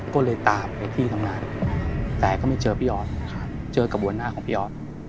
ก็เลยตามไปที่ทำงานแต่ก็ไม่เจอพี่ออสเจอกระบวนหน้าของพี่ออส